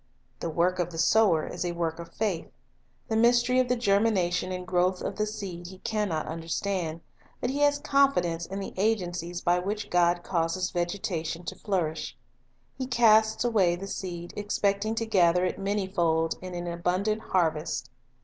The work of the sower is a work of faith. The mystery of the germination and growth of the seed he sowing in Faith can not understand ; but he has confidence in the agen cies by which God causes vegetation to flourish. He casts away the seed, expecting to gather it many fold in an abundant harvest.